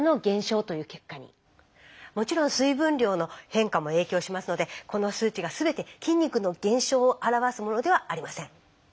もちろん水分量の変化も影響しますのでこの数値が全て筋肉の減少を表すものではありません。